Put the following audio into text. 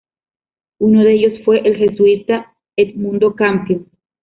Uno de ellos fue el jesuita Edmundo Campion.